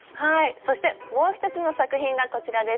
そしてもう一つの作品がこちらです。